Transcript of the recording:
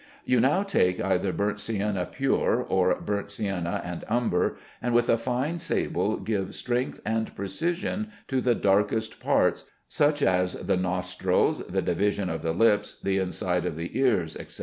You now take either burnt sienna pure, or burnt sienna and umber, and with a fine sable give strength and precision to the darkest parts, such as the nostrils, the division of the lips, the inside of the ears, etc.